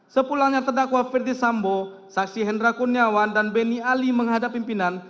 sepulangnya terdakwa ferdisambo saksi hendra kurniawan dan benny ali menghadap pimpinan